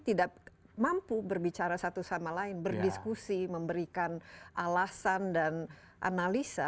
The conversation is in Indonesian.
tidak mampu berbicara satu sama lain berdiskusi memberikan alasan dan analisa